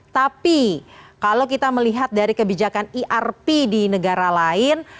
tapi kalau kita melihat dari kebijakan erp di negara lain